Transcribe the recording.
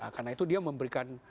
karena itu dia memberikan